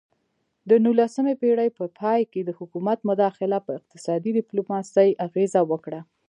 د نولسمې پیړۍ په پای کې د حکومت مداخله په اقتصادي ډیپلوماسي اغیزه وکړه